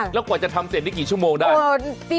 แล้วกว่าจะทำเสร็จนี่กี่ชั่วโมงได้